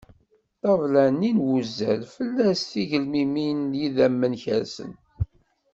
Ṭṭabla-nni n wuzzal fell-as tigelmimin n yidammen kersent.